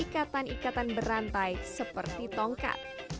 ikatan ikatan berantai seperti tongkat